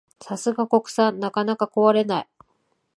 さすが国産、なかなか壊れない